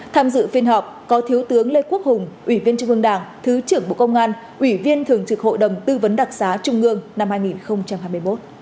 tham dự phiên họp có thiếu tướng lê quốc hùng ủy viên trung ương đảng thứ trưởng bộ công an ủy viên thường trực hội đồng tư vấn đặc xá trung ương năm hai nghìn hai mươi một